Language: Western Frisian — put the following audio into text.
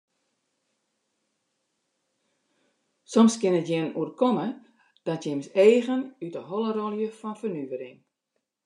Soms kin it jin oerkomme dat jins eagen út de holle rôlje fan fernuvering.